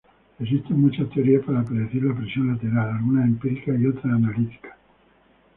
Existen muchas teorías para predecir la presión lateral, algunas empíricas y otras analíticas.